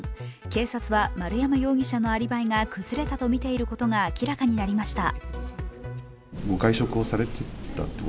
警察は丸山容疑者のアリバイが崩れたとみていることが明らかになりました。